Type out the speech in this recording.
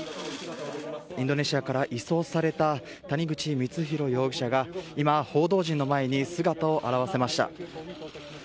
インドネシアから移送された谷口光弘容疑者が今、報道陣の前に姿を現しました。